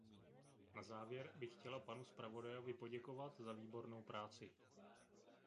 Na závěr bych chtěla panu zpravodajovi poděkovat za výbornou práci.